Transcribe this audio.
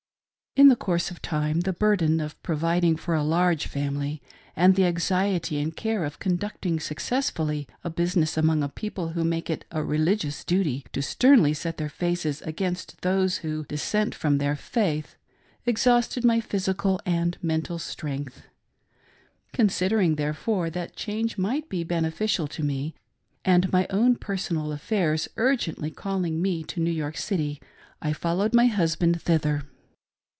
In course of time, the burden of providing for a large family, and the anxiety and care of conducting successfully a business among a people who make it a religious duty to sternly set their faces against those who dissent from their faith, exhausted my physical and mental strength. Consider ing, therefore, that change might be beneficial to me, and iny own personal affairs urgently calling me to New York City, I followed my husband thither.